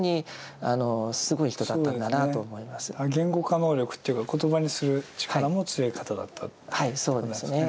言語化能力というか言葉にする力も強い方だったということなんですね。